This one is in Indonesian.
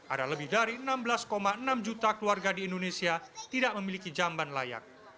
ada lebih dari enam belas enam juta keluarga di indonesia tidak memiliki jamban layak